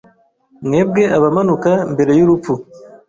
Mwebwe abamanuka mbere y'urupfu